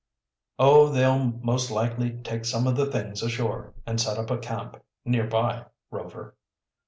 "Oh, they'll most likely take some of the things ashore, and set up a camp nearby, Rover."